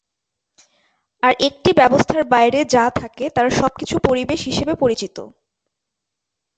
আর একটি ব্যবস্থার বাইরে যা থাকে তার সব কিছু পরিবেশ হিসেবে পরিচিত।